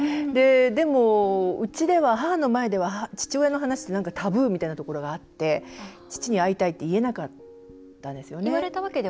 でも、うちでは母の前では父親の話ってタブーみたいなところがあって父に会いたいって言えなかったんですよね。